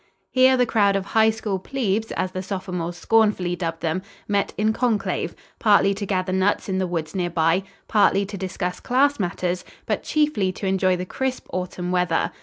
Here the crowd of High School "plebes," as the sophomores scornfully dubbed them, met in conclave, partly to gather nuts in the woods near by, partly to discuss class matters, but chiefly to enjoy the crisp autumn weather.